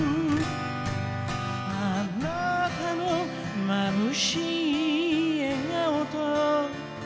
「あなたの眩しい笑顔と」